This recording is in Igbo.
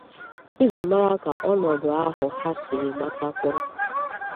iji mara ka ọnọdụ ahụ ha siri gbata kwụrụ.